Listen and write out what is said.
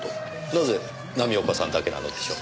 なぜ浪岡さんだけなのでしょう？